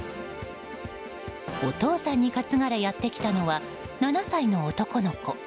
お父さんに担がれやってきたのは７歳の男の子。